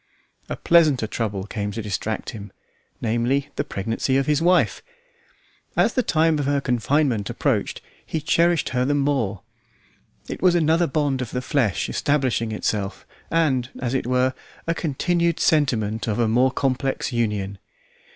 A pleasanter trouble came to distract him, namely, the pregnancy of his wife. As the time of her confinement approached he cherished her the more. It was another bond of the flesh establishing itself, and, as it were, a continued sentiment of a more complex union.